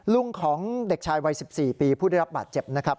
ลุงของเด็กชายวัย๑๔ปีผู้ได้รับบาดเจ็บนะครับ